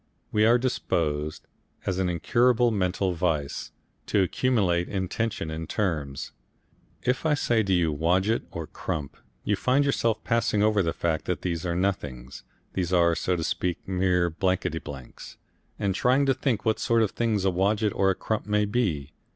We are disposed, as an incurable mental vice, to accumulate intension in terms. If I say to you Wodget or Crump, you find yourself passing over the fact that these are nothings, these are, so to speak, mere blankety blanks, and trying to think what sort of thing a Wodget or a Crump may be.